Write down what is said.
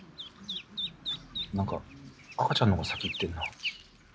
何か赤ちゃんのほうが先行ってるな。